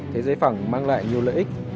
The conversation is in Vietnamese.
thế giới phẳng mang lại nhiều lợi ích